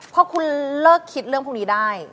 พอคุณเลิกคิดเรื่องพวกนี้ได้